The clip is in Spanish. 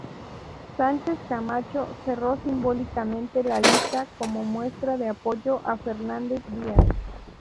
Sánchez-Camacho cerró simbólicamente la lista, como muestra de apoyo a Fernández Díaz.